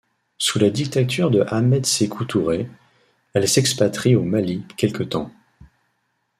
Sous la dictature de Ahmed Sékou Touré, elle s'expatrie au Mali quelque temps.